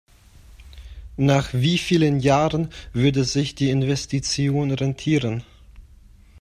Nach wie vielen Jahren würde sich die Investition rentieren?